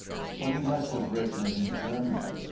"But he must have written it in German.